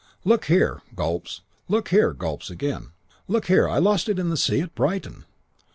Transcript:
"'Look here ' Gulps. 'Look here ' Gulps again. 'Look here. I lost it in the sea at Brighton.'